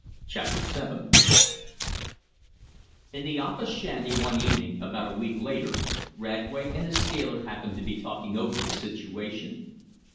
Chapter VII In the office shanty one evening about a week later, Radway and his scaler happened to be talking over the situation.